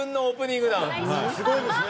すごいですね。